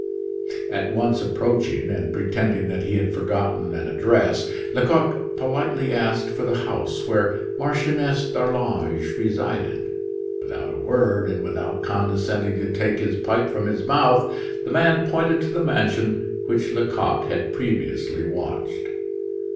At once approaching and pretending that he had forgotten an address, Lecoq politely asked for the house where Marchioness d'Arlange resided. Without a word, and without condescending to take his pipe from his mouth, the man pointed to the mansion which Lecoq had previously watched.